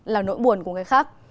là nỗi buồn của người khác